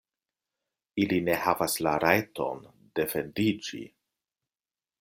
Ili ne havas la rajton defendiĝi.